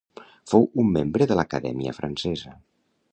Fou un membre de l'Acadèmia Francesa.